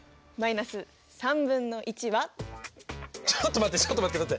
ちょっと待ってちょっと待って待って！